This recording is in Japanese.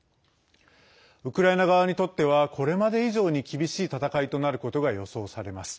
ウクライナ側にとってはこれまで以上に厳しい戦いとなることが予想されます。